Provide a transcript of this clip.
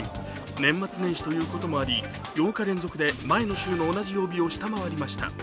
年末年始ということもあり、８日連続で前の週の同じ曜日を下回りました。